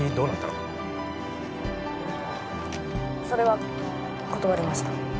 それは断りました。